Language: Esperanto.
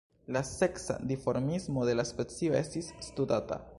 La seksa dimorfismo de la specio estis studata.